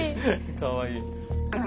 かわいい。